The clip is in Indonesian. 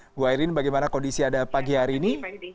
ibu ayrin bagaimana kondisi ada pagi hari ini